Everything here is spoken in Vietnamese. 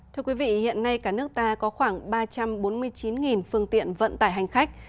thưa quý vị hiện nay cả nước ta có khoảng ba trăm bốn mươi chín phương tiện vận tải hành khách